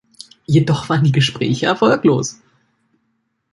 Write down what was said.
Jedoch waren die Gespräche erfolglos.